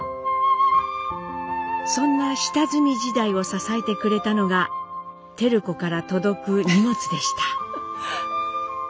そんな下積み時代を支えてくれたのが照子から届く荷物でした。